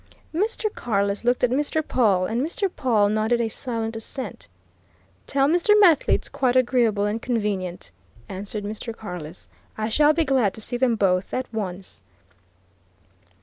Mr. Carless looked at Mr. Pawle, and Mr. Pawle nodded a silent assent. "Tell Mr. Methley it's quite agreeable and convenient," answered Mr. Carless. "I shall be glad to see them both at once.